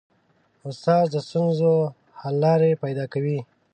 استاد د ستونزو حل لارې پیدا کوي.